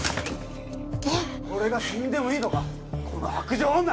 俺が死んでもいいのかこの薄情女！